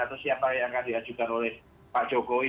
atau siapa yang akan diajukan oleh pak jokowi